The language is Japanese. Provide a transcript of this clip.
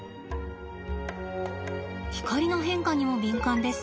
光の変化にも敏感です。